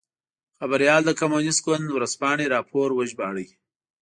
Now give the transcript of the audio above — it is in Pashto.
خبریال د کمونېست ګوند ورځپاڼې راپور وژباړه.